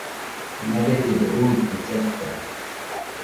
Nabellɨdo uikɨ saita